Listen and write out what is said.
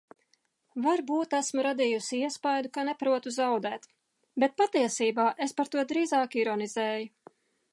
Varbūt esmu radījusi iespaidu, ka neprotu zaudēt, bet patiesībā es par to drīzāk ironizēju.